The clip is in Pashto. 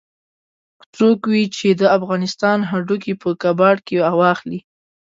که څوک وي چې د افغانستان هډوکي په کباړ کې واخلي.